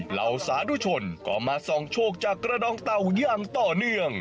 เหล่าสาธุชนก็มาส่องโชคจากกระดองเต่าอย่างต่อเนื่อง